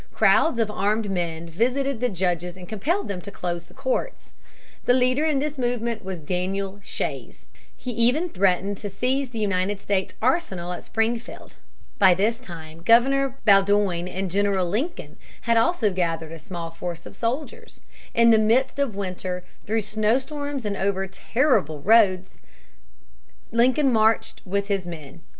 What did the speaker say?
Crowds of armed men visited the judges and compelled them to close the courts. The leader in this movement was Daniel Shays. He even threatened to seize the United States Arsenal at Springfield. By this time Governor Bowdoin and General Lincoln also had gathered a small force of soldiers. In the midst of winter, through snowstorms and over terrible roads, Lincoln marched with his men.